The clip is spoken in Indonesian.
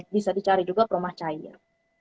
bisa dicari juga perumah cair